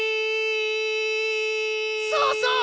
そうそう！